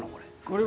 これ。